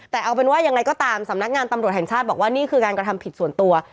แต่เอาเป็นว่ายังไงก็ตามสำนักงานตำรวจแห่งชาติบอกว่านี่คือการกระทำผิดส่วนตัว